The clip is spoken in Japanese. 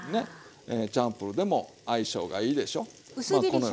チャンプルーでも相性がいいでしょう？